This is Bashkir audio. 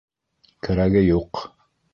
Кәрәге юҡ!